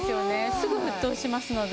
すぐ沸騰しますので。